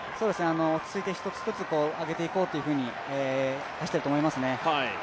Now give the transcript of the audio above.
落ち着いて一つ一つ上げていこうというふうに走ってると思いますね。